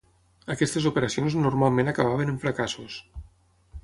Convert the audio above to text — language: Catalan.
Aquestes operacions normalment acabaven en fracassos.